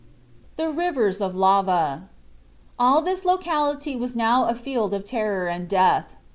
THE RIVERS OF LAVA. All this locality was now a field of terror and death.